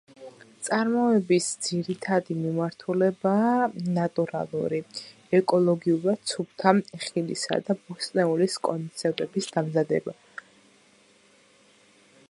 წარმოების ძირითადი მიმართულებაა ნატურალური, ეკოლოგიურად სუფთა ხილისა და ბოსტნეულის კონსერვების დამზადება.